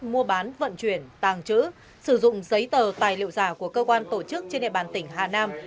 mua bán vận chuyển tàng trữ sử dụng giấy tờ tài liệu giả của cơ quan tổ chức trên địa bàn tỉnh hà nam